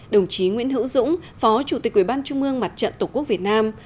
đồng chí nguyễn hữu dũng phó chủ tịch quỹ ban trung mương mặt trận tổ quốc việt nam